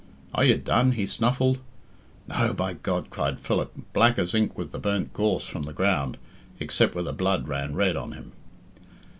"Are you done?" he snuffled. "No, by God," cried Philip, black as ink with the burnt gorse from the ground, except where the blood ran red on him.